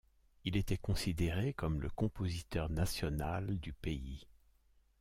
Il était considéré comme le compositeur national du pays.